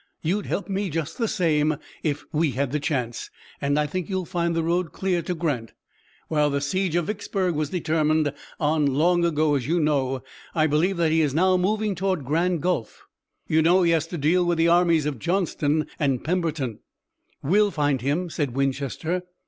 You'd help me just the same if we had the chance, and I think you'll find the road clear to Grant. While the siege of Vicksburg was determined on long ago, as you know, I believe that he is now moving toward Grand Gulf. You know he has to deal with the armies of Johnston and Pemberton." "We'll find him," said Winchester.